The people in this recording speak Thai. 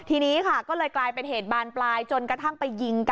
ทีนี้ค่ะก็เลยกลายเป็นเหตุบานปลายจนกระทั่งไปยิงกัน